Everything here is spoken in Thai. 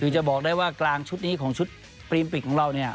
คือจะบอกได้ว่ากลางชุดนี้ของชุดบริมปิกนี้